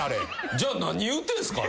じゃあ何言うてんすか？